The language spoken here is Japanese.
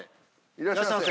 いらっしゃいませ。